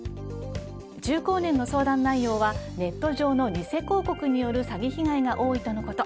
中高年の相談内容はネット上の偽広告による詐欺被害が多いとのこと。